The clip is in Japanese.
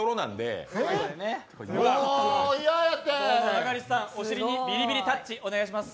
中西さん、お尻にビリビリタッチお願いします。